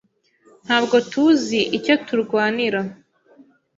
Ntabwo tuzi icyo turwanira.